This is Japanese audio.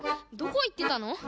どこいってたの？